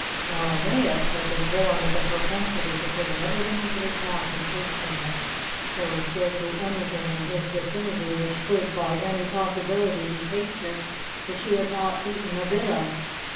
Now Aeneas had been born with a propensity for putting everything into his mouth and tasting it; there was scarcely anything in his vicinity which could by any possibility be tasted, which he had not eaten a bit of.